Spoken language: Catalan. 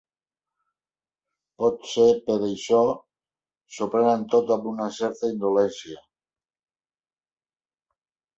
Potser per això s'ho prenen tot amb una certa indolència.